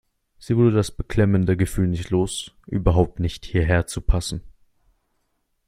Sie wurde das beklemmende Gefühl nicht los, überhaupt nicht hierher zu passen.